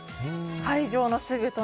会場のすぐ隣。